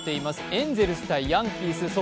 エンゼルスとヤンキースの戦い